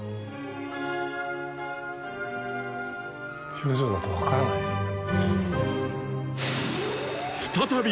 表情だと分からないですね。